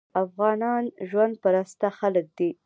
افغانان ژوند پرسته خلک دي.